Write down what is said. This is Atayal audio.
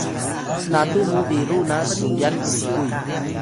snatu mu biru na suyan likuy